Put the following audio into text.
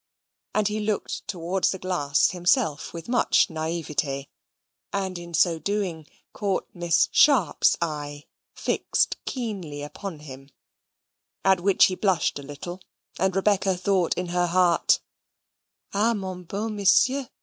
And he looked towards the glass himself with much naivete; and in so doing, caught Miss Sharp's eye fixed keenly upon him, at which he blushed a little, and Rebecca thought in her heart, "Ah, mon beau Monsieur!